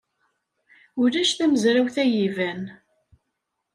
Ulac tamezrawt ay iban.